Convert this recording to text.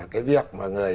cái việc mà người